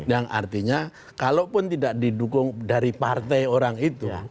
dan artinya kalaupun tidak didukung dari partai orang itu